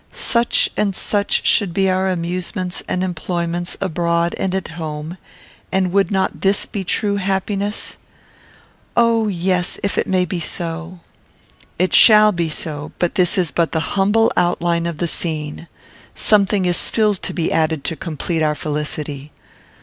Such and such should be our amusements and employments abroad and at home: and would not this be true happiness? "Oh yes if it may be so." "It shall be so; but this is but the humble outline of the scene; something is still to be added to complete our felicity."